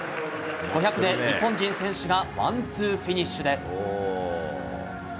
５００で日本人選手がワンツーフィニッシュです。